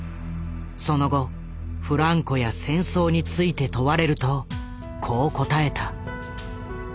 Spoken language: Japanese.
その後フランコや戦争について問われるとこう答えた。